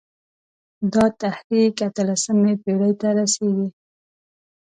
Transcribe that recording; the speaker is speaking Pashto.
دا تحریک اته لسمې پېړۍ ته رسېږي.